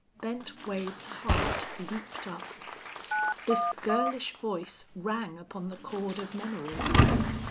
Bent Wade's heart leaped up. This girlish voice rang upon the chord of memory.